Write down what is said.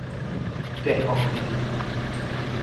建福坑